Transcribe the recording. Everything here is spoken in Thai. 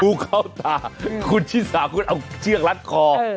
พูดเข้าตาคุณชิ้นสาวคุณเอาเชือกรัดคอเออ